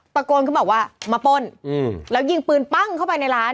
ตะโกนเขาบอกว่ามาป้นแล้วยิงปืนปั้งเข้าไปในร้าน